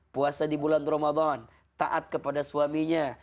puasa di bulan ramadan taat kepada suaminya